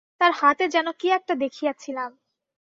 তার হাতে যেন কী একটা দেখিয়াছিলাম।